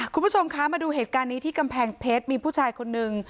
คุณผู้ชมคะมาดูเหตุการณ์นี้ที่กำแพงเพชรมีผู้ชายคนนึง